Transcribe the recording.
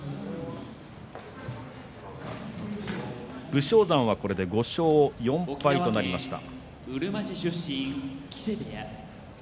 武将山はこれで５勝４敗となりました。